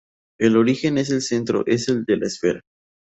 El origen es el centro es de la esfera.